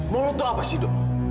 mau lu tuh apa sih do